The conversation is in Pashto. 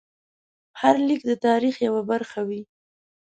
هر لیک د تاریخ یوه برخه وه.